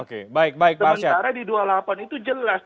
sementara di dua puluh delapan itu jelas